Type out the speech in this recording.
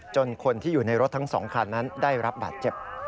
คนที่อยู่ในรถทั้ง๒คันนั้นได้รับบาดเจ็บ